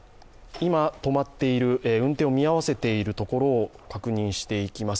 今、運転を見合わせているところを確認していきます。